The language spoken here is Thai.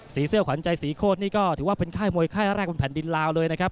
เสื้อขวัญใจศรีโคตรนี่ก็ถือว่าเป็นค่ายมวยค่ายแรกบนแผ่นดินลาวเลยนะครับ